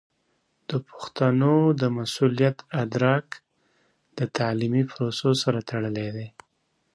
د پښتو د مسوولیت ادراک د تعلیمي پروسو سره تړلی دی.